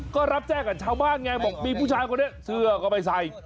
ก็รับแจ้งกับชาวบ้านไงบอกมีผู้ชายคนนี้เสื้อก็ไม่ใส่